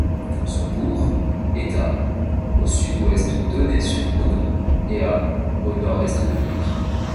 Son bourg est à au sud-ouest d'Aunay-sur-Odon et à au nord-est de Vire.